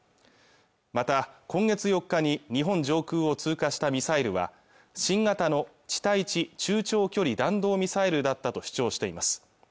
また今月４日に日本上空を通過したミサイルは新型の地対地中長距離弾道ミサイルだったと主張しています